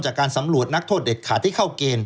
จากการสำรวจนักโทษเด็ดขาดที่เข้าเกณฑ์